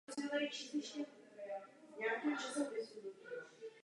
Veškeré existující disketové jednotky pro tyto počítače byly vyráběny ostatními výrobci.